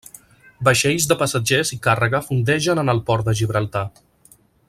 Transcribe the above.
Vaixells de passatgers i càrrega fondegen en el port de Gibraltar.